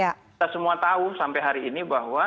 kita semua tahu sampai hari ini bahwa